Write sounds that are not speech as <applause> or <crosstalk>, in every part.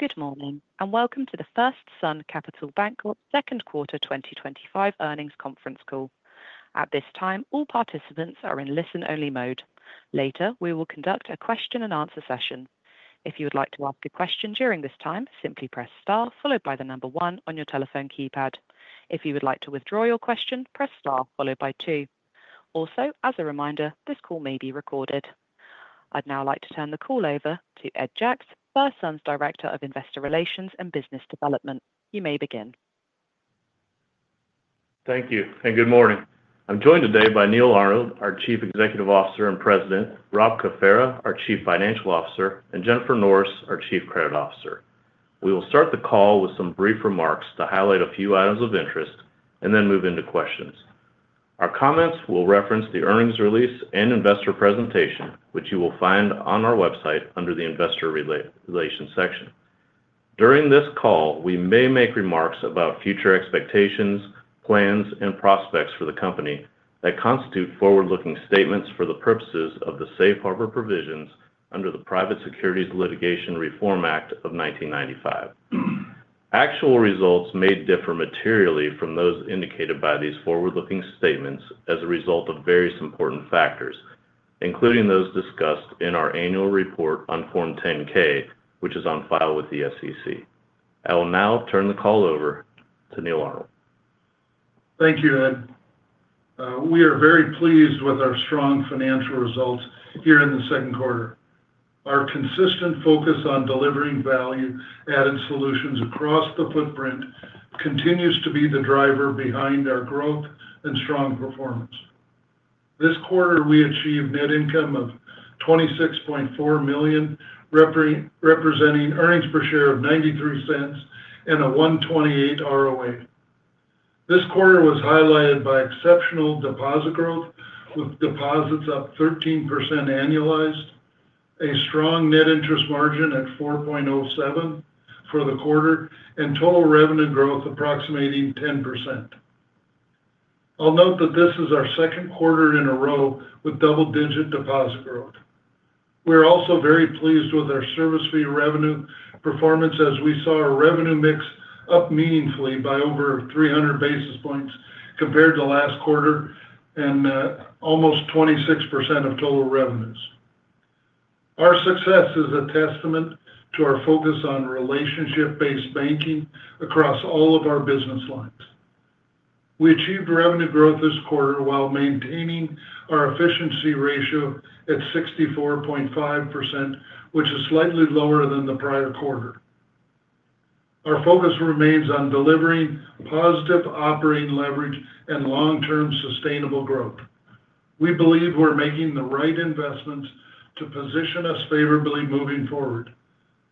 Good morning and welcome to the FirstSun Capital Bancorp Second Quarter 2025 Earnings Conference Call. At this time, all participants are in listen-only mode. Later, we will conduct a question and answer session. If you would like to ask a question during this time, simply press star followed by the number one on your telephone keypad. If you would like to withdraw your question, press star followed by two. Also, as a reminder, this call may be recorded. I'd now like to turn the call over to Ed Jacques, FirstSun's Director of Investor Relations and Business Development. You may begin. Thank you and good morning. I'm joined today by Neal Arnold, our Chief Executive Officer and President, Rob Cafera, our Chief Financial Officer, and Jennifer Norris, our Chief Credit Officer. We will start the call with some brief remarks to highlight a few items of interest and then move into questions. Our comments will reference the earnings release and investor presentation, which you will find on our website under the Investor Relations section. During this call, we may make remarks about future expectations, plans, and prospects for the company that constitute forward-looking statements for the purposes of the Safe Harbor provisions under the Private Securities Litigation Reform Act of 1995. Actual results may differ materially from those indicated by these forward-looking statements as a result of various important factors, including those discussed in our annual report on Form 10-K, which is on file with the SEC. I will now turn the call over to Neal Arnold. Thank you, Ed. We are very pleased with our strong financial results here in the second quarter. Our consistent focus on delivering value-adding solutions across the footprint continues to be the driver behind our growth and strong performance. This quarter, we achieved a net income of $26.4 million, representing earnings per share of $0.93 and a 1.28% ROA. This quarter was highlighted by exceptional deposit growth, with deposits up 13% annualized, a strong net interest margin at 4.07% for the quarter, and total revenue growth approximating 10%. This is our second quarter in a row with double-digit deposit growth. We're also very pleased with our service fee revenue performance as we saw our revenue mix up meaningfully by over 300 basis points compared to last quarter and almost 26% of total revenues. Our success is a testament to our focus on relationship-based banking across all of our business lines. We achieved revenue growth this quarter while maintaining our efficiency ratio at 64.5%, which is slightly lower than the prior quarter. Our focus remains on delivering positive operating leverage and long-term sustainable growth. We believe we're making the right investments to position us favorably moving forward.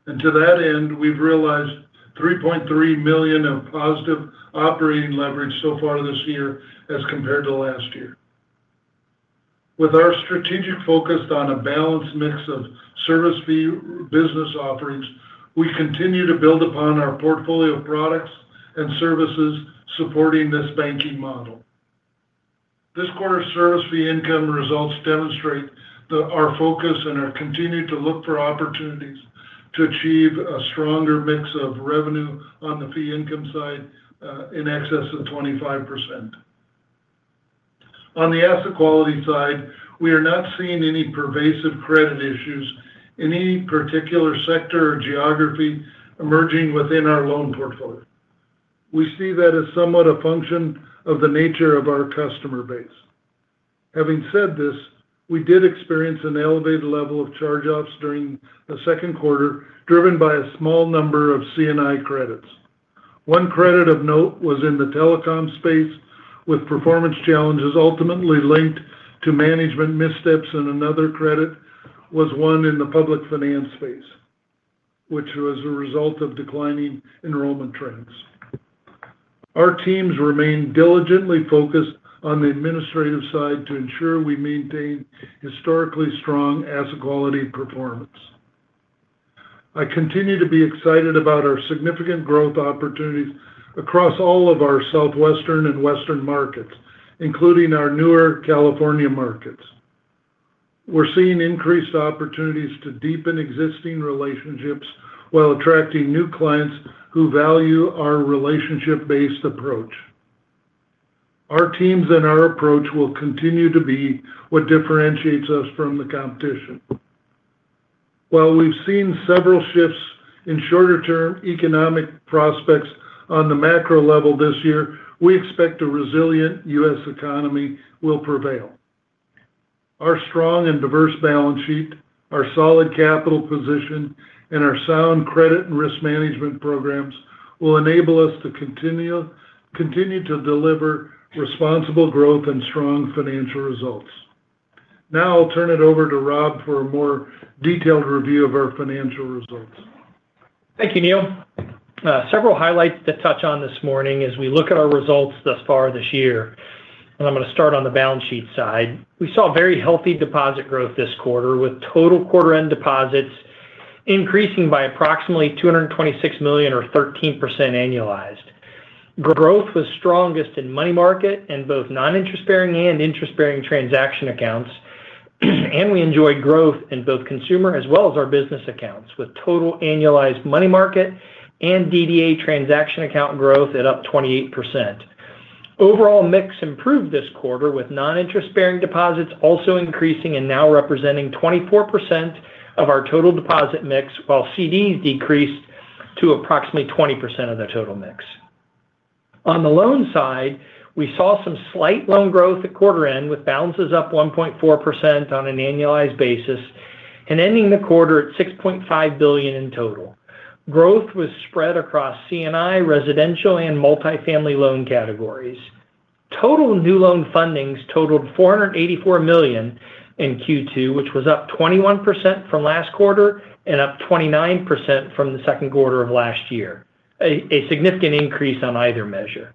To that end, we've realized $3.3 million of positive operating leverage so far this year as compared to last year. With our strategic focus on a balanced mix of service fee and business offerings, we continue to build upon our portfolio of products and services supporting this banking model. This quarter's service fee income results demonstrate that focus and our continued look for opportunities to achieve a stronger mix of revenue on the fee income side in excess of 25%. On the asset quality side, we are not seeing any pervasive credit issues in any particular sector or geography emerging within our loan portfolio. We see that as somewhat a function of the nature of our customer base. Having said this, we did experience an elevated level of charge-offs during the second quarter, driven by a small number of C&I credits. One credit of note was in the telecom space, with performance challenges ultimately linked to management missteps, and another credit was one in the public finance space, which was a result of declining enrollment trends. Our teams remain diligently focused on the administrative side to ensure we maintain historically strong asset quality performance. I continue to be excited about our significant growth opportunities across all of our Southwestern and Western markets, including our newer California markets. We're seeing increased opportunities to deepen existing relationships while attracting new clients who value our relationship-based approach. Our teams and our approach will continue to be what differentiates us from the competition. While we've seen several shifts in shorter-term economic prospects on the macro level this year, we expect a resilient U.S. economy will prevail. Our strong and diverse balance sheet, our solid capital position, and our sound credit and risk management programs will enable us to continue to deliver responsible growth and strong financial results. Now I'll turn it over to Rob for a more detailed review of our financial results. Thank you, Neal. Several highlights to touch on this morning as we look at our results thus far this year. I'm going to start on the balance sheet side. We saw very healthy deposit growth this quarter, with total quarter-end deposits increasing by approximately $226 million or 13% annualized. Growth was strongest in money market and both non-interest-bearing and interest-bearing transaction accounts. We enjoyed growth in both consumer as well as our business accounts, with total annualized money market and DDA transaction account growth up 28%. Overall mix improved this quarter, with non-interest-bearing deposits also increasing and now representing 24% of our total deposit mix, while CDs decreased to approximately 20% of the total mix. On the loan side, we saw some slight loan growth at quarter-end, with balances up 1.4% on an annualized basis and ending the quarter at $6.5 billion in total. Growth was spread across C&I, residential, and multifamily loan categories. Total new loan fundings totaled $484 million in Q2, which was up 21% from last quarter and up 29% from the second quarter of last year, a significant increase on either measure.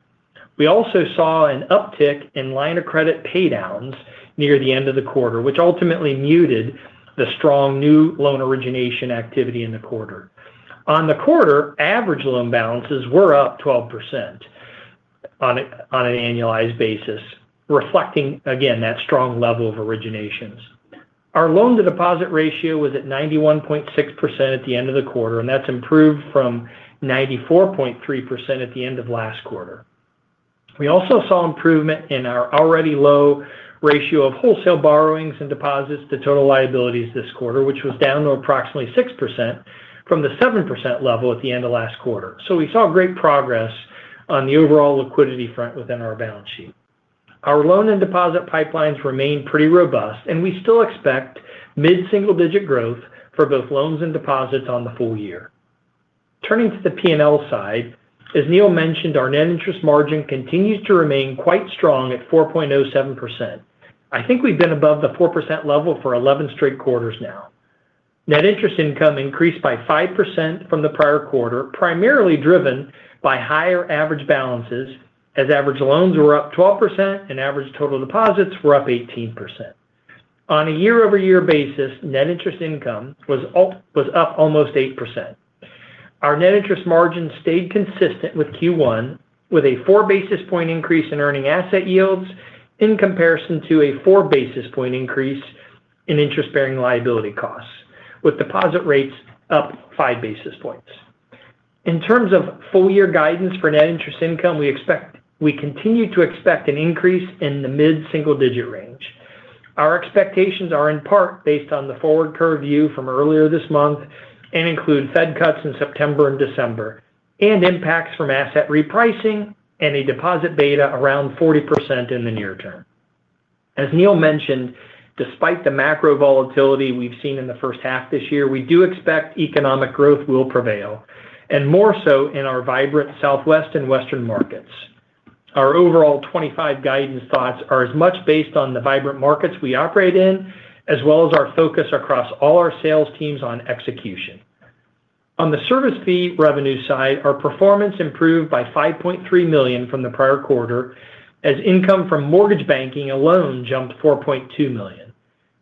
We also saw an uptick in line of credit paydowns near the end of the quarter, which ultimately muted the strong new loan origination activity in the quarter. On the quarter, average loan balances were up 12% on an annualized basis, reflecting again that strong level of originations. Our loan-to-deposit ratio was at 91.6% at the end of the quarter, and that's improved from 94.3% at the end of last quarter. We also saw improvement in our already low ratio of wholesale borrowings and deposits to total liabilities this quarter, which was down to approximately 6% from the 7% level at the end of last quarter. We saw great progress on the overall liquidity front within our balance sheet. Our loan and deposit pipelines remain pretty robust, and we still expect mid-single-digit growth for both loans and deposits on the full year. Turning to the P&L side, as Neal mentioned, our net interest margin continues to remain quite strong at 4.07%. I think we've been above the 4% level for 11 straight quarters now. Net interest income increased by 5% from the prior quarter, primarily driven by higher average balances, as average loans were up 12% and average total deposits were up 18%. On a year-over-year basis, net interest income was up almost 8%. Our net interest margin stayed consistent with Q1, with a four basis point increase in earning asset yields in comparison to a four basis point increase in interest-bearing liability costs, with deposit rates up five basis points. In terms of full-year guidance for net interest income, we continue to expect an increase in the mid-single-digit range. Our expectations are in part based on the forward curve view from earlier this month and include Fed cuts in September and December and impacts from asset repricing and a deposit beta around 40% in the near term. As Neal mentioned, despite the macro volatility we've seen in the first half this year, we do expect economic growth will prevail, and more so in our vibrant Southwest and Western markets. Our overall 2025 guidance thoughts are as much based on the vibrant markets we operate in, as well as our focus across all our sales teams on execution. On the service fee revenue side, our performance improved by $5.3 million from the prior quarter, as income from mortgage banking alone jumped $4.2 million.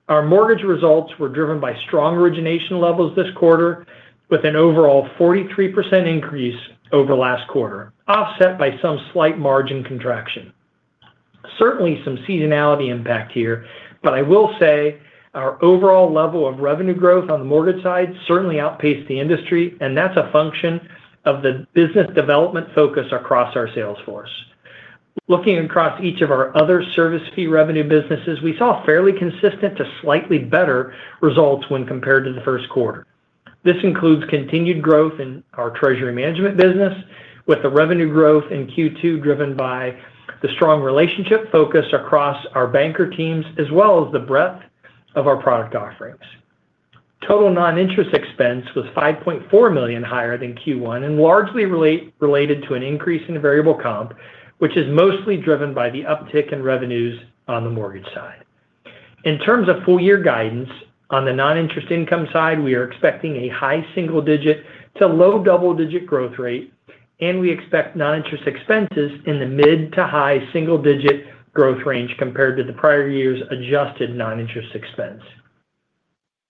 Our mortgage results were driven by strong origination levels this quarter, with an overall 43% increase over last quarter, offset by some slight margin contraction. Certainly, some seasonality impact here, but I will say our overall level of revenue growth on the mortgage side certainly outpaced the industry, and that's a function of the business development focus across our sales force. Looking across each of our other service fee revenue businesses, we saw fairly consistent to slightly better results when compared to the first quarter. This includes continued growth in our treasury management business, with the revenue growth in Q2 driven by the strong relationship focus across our banker teams, as well as the breadth of our product offerings. Total non-interest expense was $5.4 million higher than Q1 and largely related to an increase in variable comp, which is mostly driven by the uptick in revenues on the mortgage side. In terms of full-year guidance, on the non-interest income side, we are expecting a high single-digit to low double-digit growth rate, and we expect non-interest expenses in the mid to high single-digit growth range compared to the prior year's adjusted non-interest expense.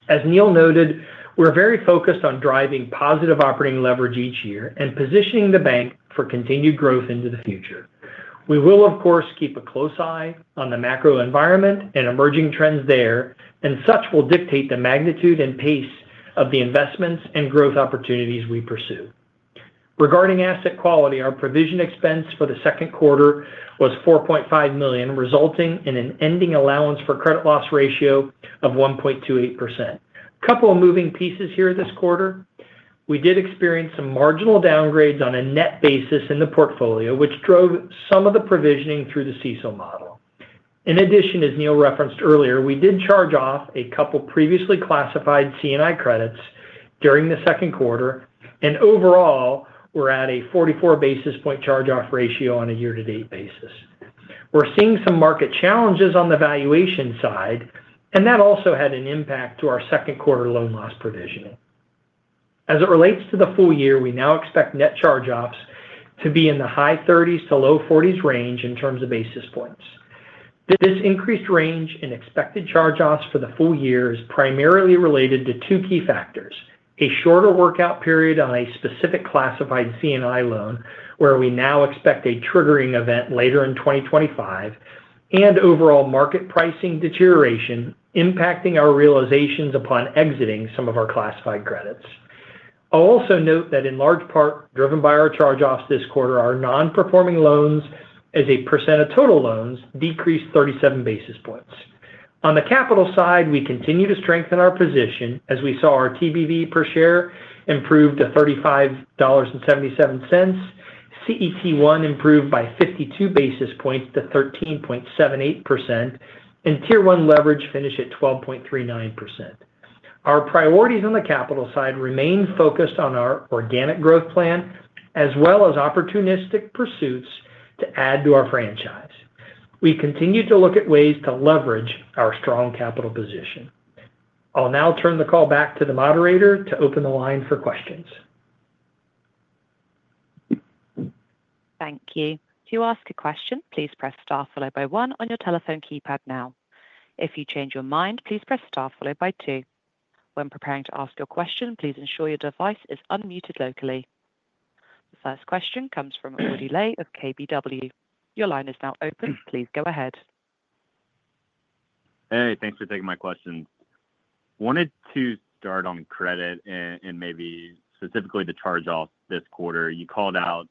As Neal noted, we're very focused on driving positive operating leverage each year and positioning the bank for continued growth into the future. We will, of course, keep a close eye on the macro environment and emerging trends there, and such will dictate the magnitude and pace of the investments and growth opportunities we pursue. Regarding asset quality, our provision expense for the second quarter was $4.5 million, resulting in an ending allowance for credit loss ratio of 1.28%. A couple of moving pieces here this quarter. We did experience some marginal downgrades on a net basis in the portfolio, which drove some of the provisioning through the CECL model. In addition, as Neal Arnold referenced earlier, we did charge off a couple previously classified C&I credits during the second quarter, and overall, we're at a 44 basis point charge-off ratio on a year-to-date basis. We're seeing some market challenges on the valuation side, and that also had an impact to our second quarter loan loss provisioning. As it relates to the full year, we now expect net charge-offs to be in the high 30s to low 40s range in terms of basis points. This increased range in expected charge-offs for the full year is primarily related to two key factors: a shorter workout period on a specific classified C&I loan, where we now expect a triggering event later in 2025, and overall market pricing deterioration impacting our realizations upon exiting some of our classified credits. I'll also note that in large part, driven by our charge-offs this quarter, our non-performing loans as a percent of total loans decreased 37 basis points. On the capital side, we continue to strengthen our position as we saw our TBV per share improve to $35.77, CET1 improved by 52 basis points to 13.78%, and Tier 1 leverage finished at 12.39%. Our priorities on the capital side remain focused on our organic growth plan, as well as opportunistic pursuits to add to our franchise. We continue to look at ways to leverage our strong capital position. I'll now turn the call back to the moderator to open the line for questions. Thank you. To ask a question, please press star followed by one on your telephone keypad now. If you change your mind, please press star followed by two. When preparing to ask your question, please ensure your device is unmuted locally. The first question comes from Woody Lay of KBW. Your line is now open. Please go ahead. Hey, thanks for taking my question. I wanted to start on credit and maybe specifically the charge-off this quarter. You called out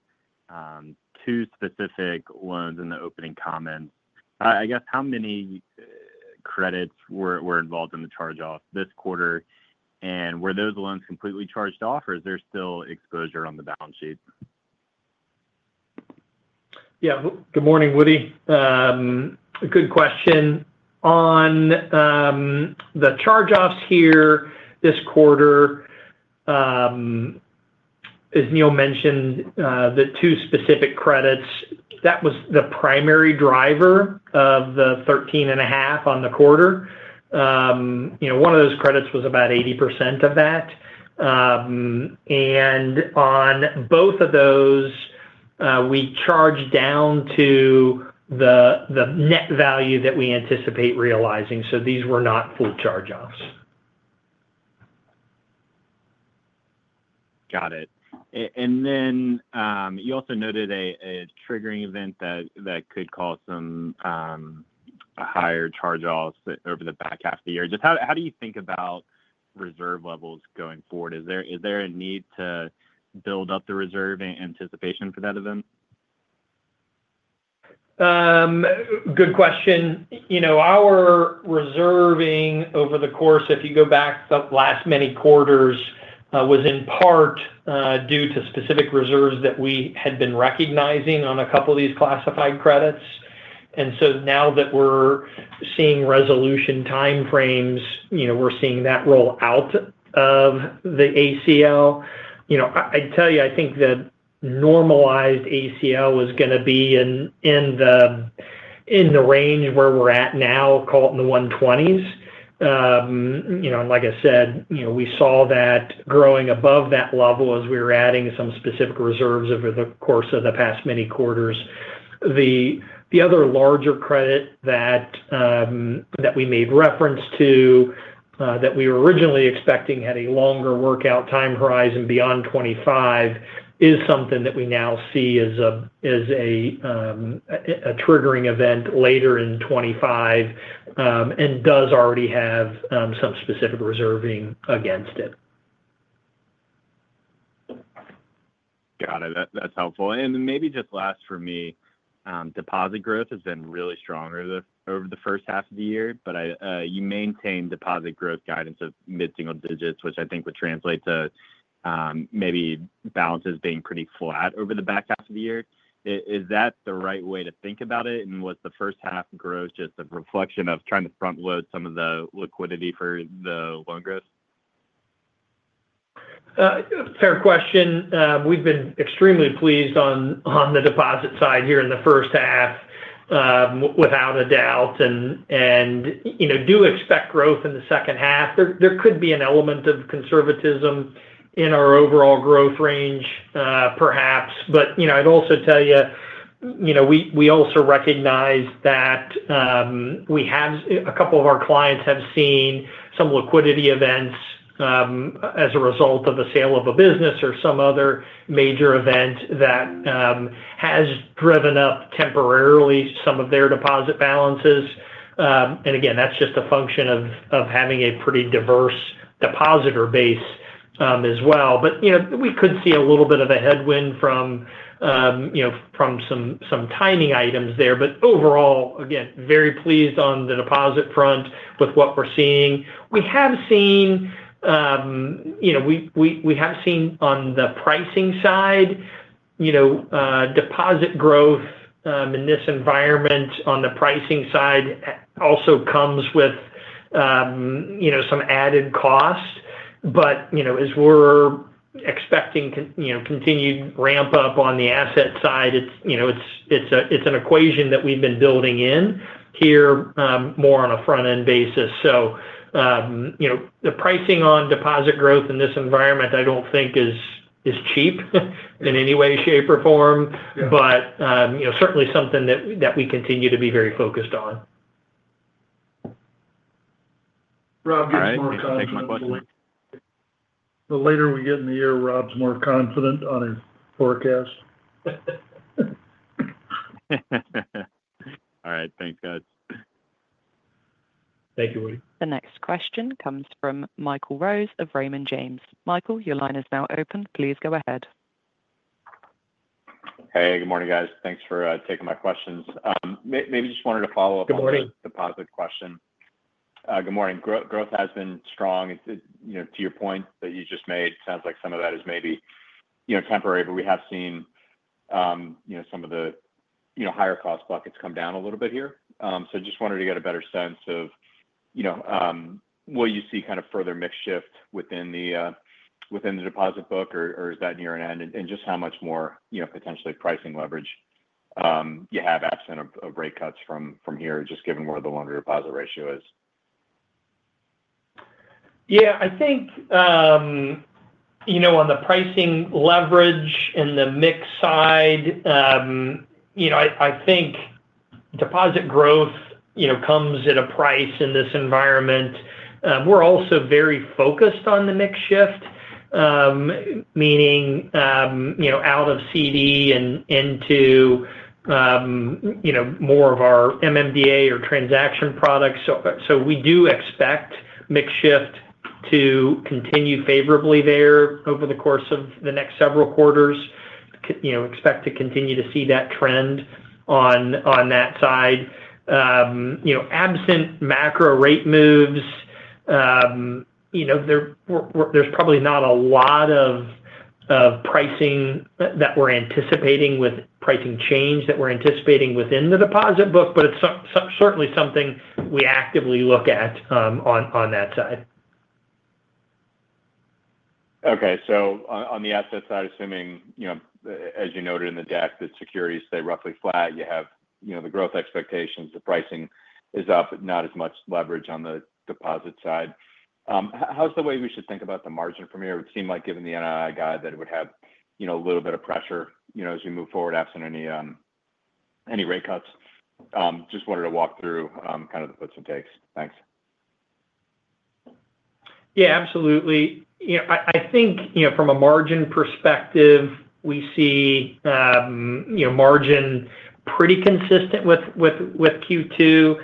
two specific loans in the opening comments. I guess how many credits were involved in the charge-off this quarter? Were those loans completely charged off, or is there still exposure on the balance sheet? Yeah, good morning, Woody. Good question. On the charge-offs here this quarter, as Neal mentioned, the two specific credits, that was the primary driver of the $13.5 million on the quarter. One of those credits was about 80% of that. On both of those, we charged down to the net value that we anticipate realizing. These were not full charge-offs. Got it. You also noted a triggering event that could cause some higher charge-offs over the back half of the year. Just how do you think about reserve levels going forward? Is there a need to build up the reserve in anticipation for that event? Good question. Our reserving over the course, if you go back the last many quarters, was in part due to specific reserves that we had been recognizing on a couple of these classified credits. Now that we're seeing resolution timeframes, we're seeing that roll out of the ACL. I'd tell you, I think the normalized ACL was going to be in the range where we're at now, called in the 120s. Like I said, we saw that growing above that level as we were adding some specific reserves over the course of the past many quarters. The other larger credit that we made reference to that we were originally expecting had a longer workout time horizon beyond 2025 is something that we now see as a triggering event later in 2025 and does already have some specific reserving against it. Got it. That's helpful. Maybe just last for me, deposit growth has been really strong over the first half of the year, but you maintain deposit growth guidance of mid-single digits, which I think would translate to maybe balances being pretty flat over the back half of the year. Is that the right way to think about it? Was the first half growth just a reflection of trying to front-load some of the liquidity for the loan growth? Fair question. We've been extremely pleased on the deposit side here in the first half, without a doubt, and you know, do expect growth in the second half. There could be an element of conservatism in our overall growth range, perhaps. I'd also tell you, we also recognize that we have a couple of our clients have seen some liquidity events as a result of a sale of a business or some other major event that has driven up temporarily some of their deposit balances. Again, that's just a function of having a pretty diverse depositor base as well. We could see a little bit of a headwind from some timing items there. Overall, again, very pleased on the deposit front with what we're seeing. We have seen, you know, we have seen on the pricing side, deposit growth in this environment on the pricing side also comes with some added cost. As we're expecting continued ramp-up on the asset side, it's an equation that we've been building in here more on a front-end basis. The pricing on deposit growth in this environment, I don't think is cheap in any way, shape, or form, but certainly something that we continue to be very focused on. <crosstalk> The later we get in the year, Rob's more confident on his forecast. All right, thanks, guys. Thank you, Woody. The next question comes from Michael Rose of Raymond James. Michael, your line is now open. Please go ahead. Hey, good morning, guys. Thanks for taking my questions. Maybe just wanted to follow up <crosstalk> on the deposit question. Good morning. Growth has been strong. To your point that you just made, it sounds like some of that is maybe temporary, but we have seen some of the higher cost buckets come down a little bit here. I just wanted to get a better sense of, will you see kind of further mix shift within the deposit book, or is that near an end? Just how much more potentially pricing leverage you have absent of rate cuts from here, just given where the loan-to-deposit ratio is? I think, on the pricing leverage and the mix side, I think deposit growth comes at a price in this environment. We're also very focused on the mix shift, meaning out of CD and into more of our MMDA or transaction products. We do expect mix shift to continue favorably there over the course of the next several quarters. We expect to continue to see that trend on that side. Absent macro rate moves, there's probably not a lot of pricing that we're anticipating with pricing change that we're anticipating within the deposit book, but it's certainly something we actively look at on that side. Okay, on the asset side, assuming, as you noted in the deck, that securities stay roughly flat, you have the growth expectations, the pricing is up, but not as much leverage on the deposit side. How's the way we should think about the margin from here? It seemed like given the NII guide that it would have a little bit of pressure as we move forward absent any rate cuts. Just wanted to walk through kind of the puts and takes. Thanks. Yeah, absolutely. I think from a margin perspective, we see margin pretty consistent with Q2.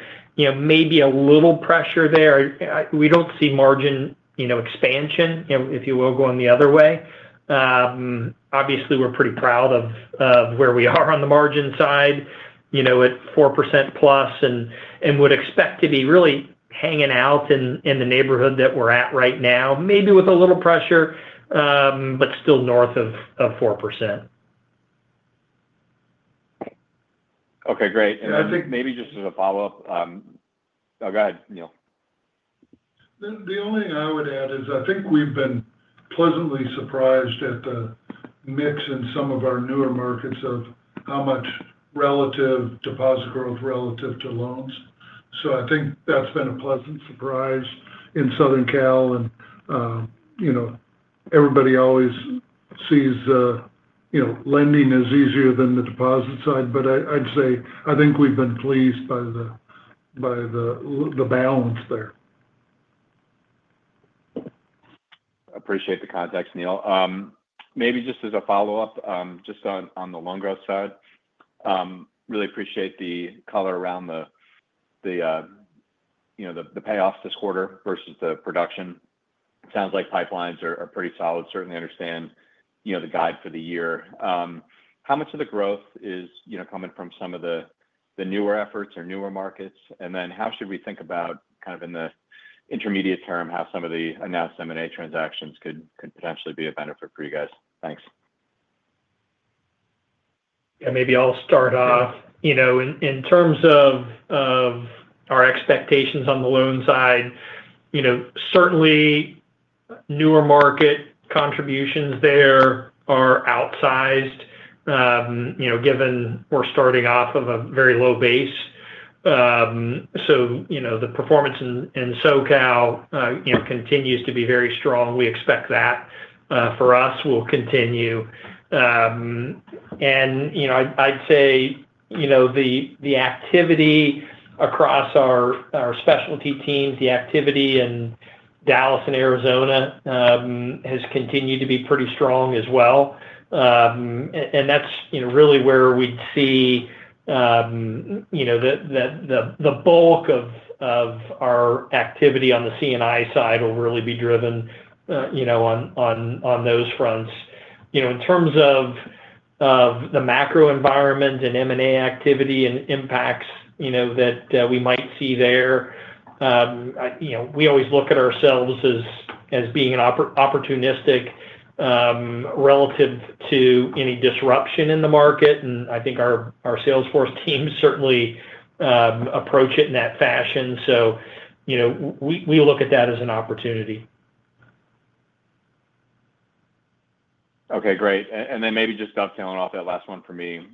Maybe a little pressure there. We don't see margin expansion, if you will, going the other way. Obviously, we're pretty proud of where we are on the margin side, at +4%, and would expect to be really hanging out in the neighborhood that we're at right now, maybe with a little pressure, but still north of 4%. Okay, great. I think maybe just as a follow-up, go ahead, Neal. The only thing I would add is I think we've been pleasantly surprised at the mix in some of our newer markets of how much relative deposit growth relative to loans. I think that's been a pleasant surprise in Southern California, and you know, everybody always sees the, you know, lending is easier than the deposit side, but I'd say I think we've been pleased by the balance there. I appreciate the context, Neal. Maybe just as a follow-up, just on the loan growth side, really appreciate the color around the payoffs this quarter versus the production. It sounds like pipelines are pretty solid. Certainly understand the guide for the year. How much of the growth is coming from some of the newer efforts or newer markets? How should we think about in the intermediate term how some of the announced M&A transactions could potentially be a benefit for you guys? Thanks. Maybe I'll start off in terms of our expectations on the loan side. Certainly, newer market contributions there are outsized, given we're starting off of a very low base. The performance in SoCal continues to be very strong. We expect that for us will continue. I'd say the activity across our specialty team, the activity in Dallas and Arizona, has continued to be pretty strong as well. That's really where we'd see the bulk of our activity on the C&I side will really be driven on those fronts. In terms of the macro environment and M&A activity and impacts that we might see there, we always look at ourselves as being opportunistic relative to any disruption in the market. I think our salesforce teams certainly approach it in that fashion. We look at that as an opportunity. Okay, great. Maybe just dovetailing off that last one for me,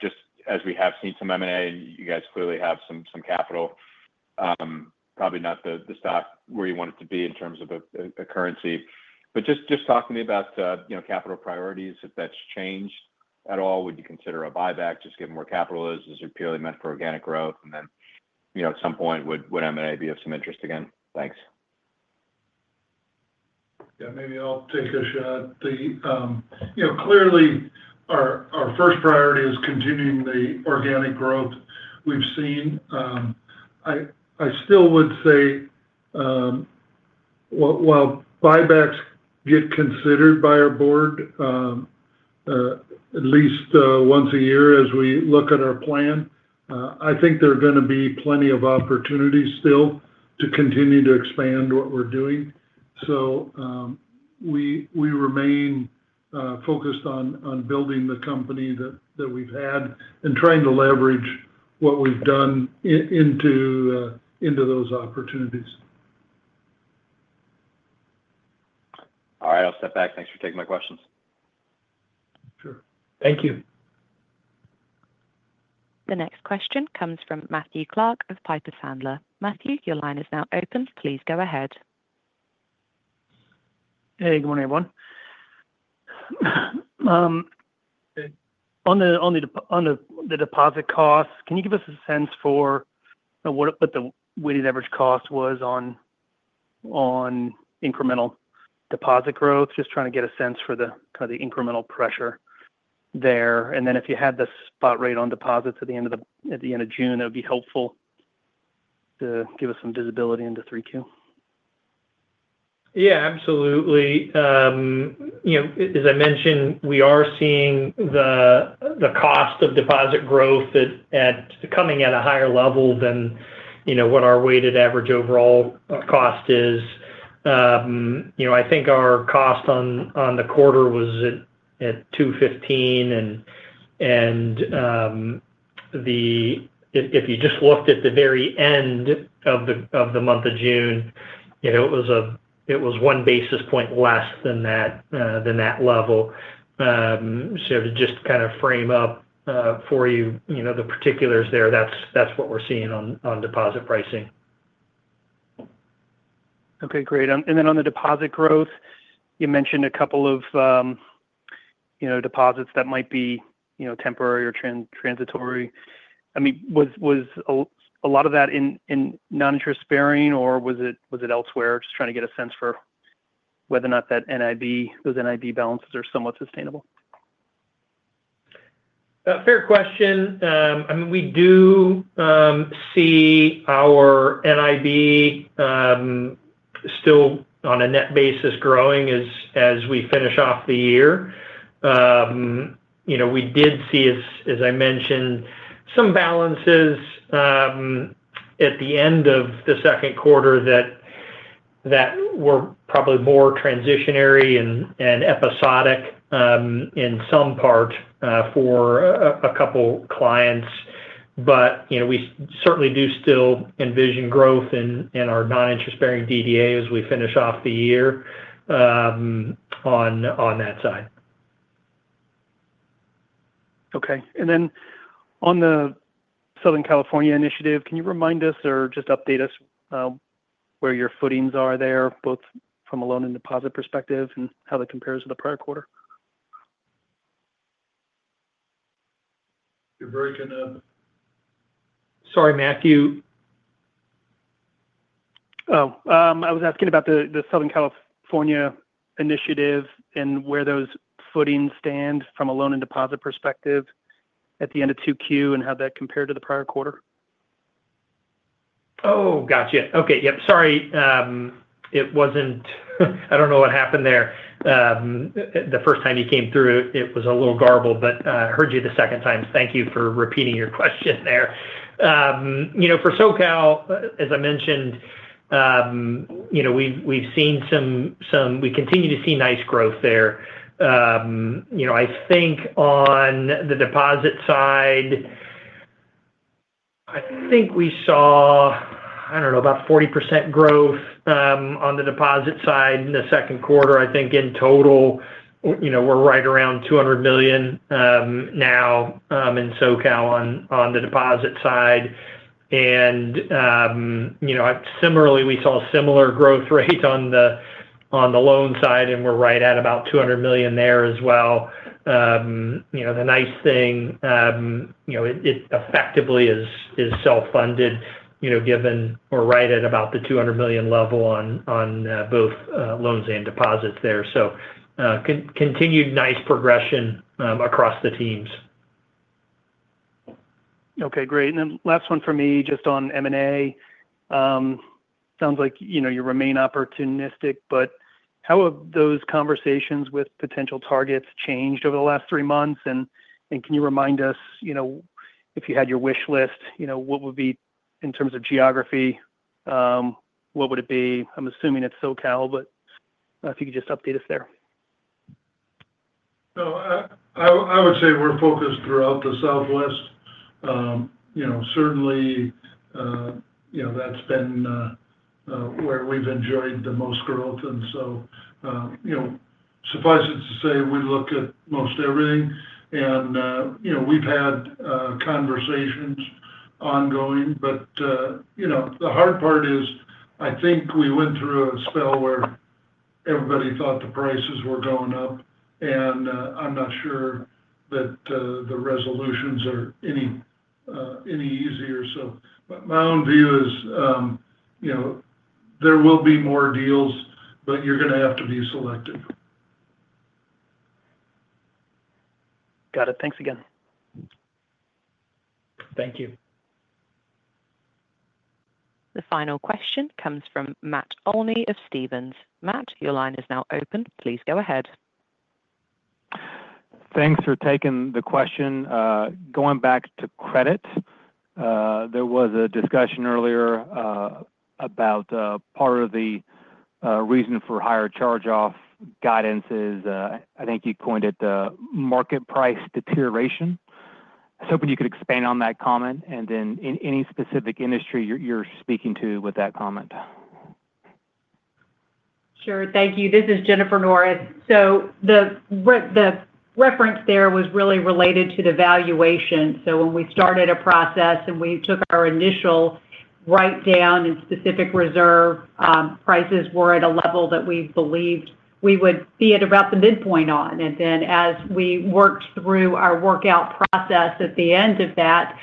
just as we have seen some M&A and you guys clearly have some capital, probably not the stock where you want it to be in terms of the currency, just talk to me about, you know, capital priorities. If that's changed at all, would you consider a buyback just given where capital is? Is it purely meant for organic growth? At some point, would M&A be of some interest again? Thanks. Maybe I'll take a shot. Clearly, our first priority is continuing the organic growth we've seen. I still would say, while buybacks get considered by our Board at least once a year as we look at our plan, I think there are going to be plenty of opportunities still to continue to expand what we're doing. We remain focused on building the company that we've had and trying to leverage what we've done into those opportunities. All right, I'll step back. Thanks for taking my questions. Sure. Thank you. The next question comes from Matthew Clark of Piper Sandler. Matthew, your line is now open. Please go ahead. Good morning, everyone. On the deposit cost, can you give us a sense for what the weighted average cost was on incremental deposit growth? Just trying to get a sense for the kind of incremental pressure there. If you had the spot rate on deposits at the end of June, that would be helpful to give us some visibility into 3Q. Yeah, absolutely. As I mentioned, we are seeing the cost of deposit growth coming at a higher level than what our weighted average overall cost is. I think our cost on the quarter was at $2.15, and if you just looked at the very end of the month of June, it was one basis point less than that level. To just kind of frame up for you the particulars there, that's what we're seeing on deposit pricing. Okay, great. On the deposit growth, you mentioned a couple of deposits that might be temporary or transitory. Was a lot of that in non-interest bearing, or was it elsewhere? Just trying to get a sense for whether or not those NIB balances are somewhat sustainable. Fair question. I mean, we do see our NIB still on a net basis growing as we finish off the year. We did see, as I mentioned, some balances at the end of the second quarter that were probably more transitionary and episodic in some part for a couple of clients. We certainly do still envision growth in our non-interest-bearing DDA as we finish off the year on that side. Okay. On the Southern California initiative, can you remind us or just update us where your footings are there, both from a loan and deposit perspective, and how that compares to the prior quarter? You're breaking up. Sorry, Matthew? I was asking about the Southern California initiative and where those footings stand from a loan and deposit perspective at the end of 2Q, and how that compared to the prior quarter. Oh, gotcha. Okay. Sorry. It wasn't, I don't know what happened there. The first time you came through, it was a little garbled, but I heard you the second time. Thank you for repeating your question there. You know, for SoCal, as I mentioned, we've seen some, we continue to see nice growth there. I think on the deposit side, we saw, I don't know, about 40% growth on the deposit side in the second quarter. I think in total, we're right around $200 million now in SoCal on the deposit side. You know, similarly, we saw similar growth rates on the loan side, and we're right at about $200 million there as well. The nice thing, it effectively is self-funded, given we're right at about the $200 million level on both loans and deposits there. Continued nice progression across the teams. Okay, great. Last one for me, just on M&A. Sounds like you remain opportunistic, but how have those conversations with potential targets changed over the last three months? Can you remind us, if you had your wish list, what would be in terms of geography, what would it be? I'm assuming it's SoCal, but if you could just update us there. I would say we're focused throughout the Southwest. Certainly, that's been where we've enjoyed the most growth. Suffice it to say, we look at most everything. We've had conversations ongoing, but the hard part is I think we went through a spell where everybody thought the prices were going up. I'm not sure that the resolutions are any easier. My own view is there will be more deals, but you're going to have to be selective. Got it. Thanks again. Thank you. The final question comes from Matt Olney of Stephens. Matt, your line is now open. Please go ahead. Thanks for taking the question. Going back to credit, there was a discussion earlier about part of the reason for higher charge-off guidance is I think you coined it the market price deterioration. I was hoping you could expand on that comment, and then in any specific industry you're speaking to with that comment. Thank you. This is Jennifer Norris. The reference there was really related to the valuation. When we started a process and we took our initial write-down in specific reserve, prices were at a level that we believed we would be at about the midpoint on. As we worked through our workout process at the end of that,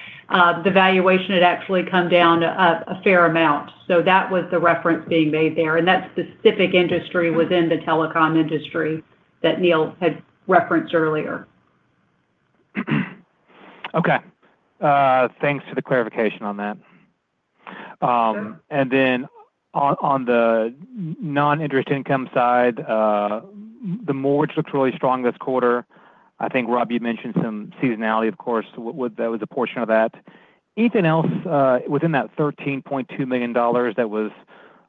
the valuation had actually come down a fair amount. That was the reference being made there. That's a specific industry within the telecom industry that Neal had referenced earlier. Okay. Thanks for the clarification on that. On the non-interest income side, the mortgage looks really strong this quarter. I think, Rob, you mentioned some seasonality, of course, that was a portion of that. Anything else within that $13.2 million that was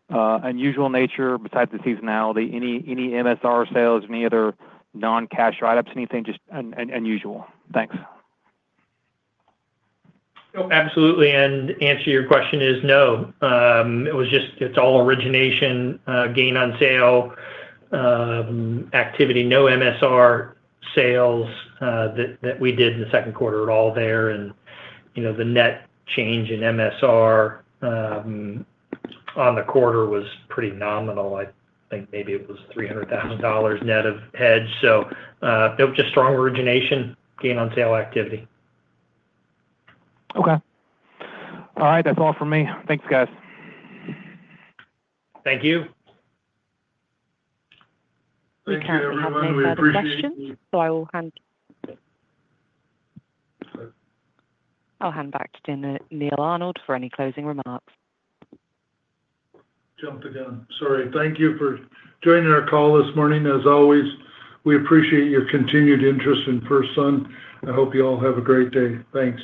unusual in nature besides the seasonality? Any MSR sales, any other non-cash write-ups, anything just unusual? Thanks. Absolutely. To answer your question, no. It was just, it's all origination, gain on sale activity, no MSR sales that we did in the second quarter at all there. The net change in MSR on the quarter was pretty nominal. I think maybe it was $300,000 net of hedge. It was just strong origination, gain on sale activity. Okay. All right. That's all for me. Thanks, guys. Thank you. We currently have no further questions, so I will hand back to Neal Arnold for any closing remarks. Thank you for joining our call this morning. As always, we appreciate your continued interest in FirstSun. I hope you all have a great day. Thanks.